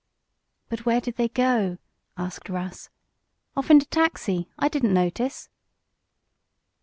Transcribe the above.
"But where did they go?" asked Russ. "Off in de taxi. I didn't notice."